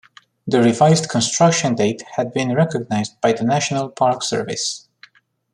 The revised construction date has been recognized by the National Park Service.